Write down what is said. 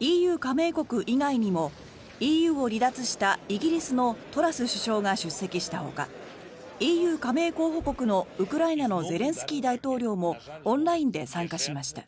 ＥＵ加盟国以外にもＥＵを離脱したイギリスのトラス首相が出席したほかＥＵ加盟候補国のウクライナのゼレンスキー大統領もオンラインで参加しました。